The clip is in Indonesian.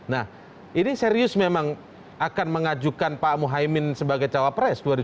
nah ini serius memang akan mengajukan pak muhaymin sebagai cawapres dua ribu sembilan belas